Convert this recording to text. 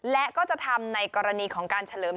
และก็จะทำในกรณีของการเฉลิม